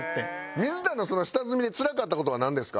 水田の下積みでつらかった事はなんですか？